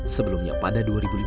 sebelumnya pada dua ribu lima belas